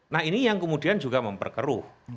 nah ini yang kemudian juga memperkeruh